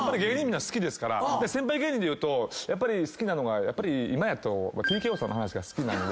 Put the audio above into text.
先輩芸人でいうと好きなのが今やとＴＫＯさんの話が好きなんで。